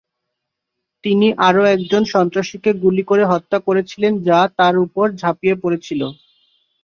তিনি আরও একজন সন্ত্রাসীকে গুলি করে হত্যা করেছিলেন যা তাঁর উপর ঝাঁপিয়ে পড়েছিল।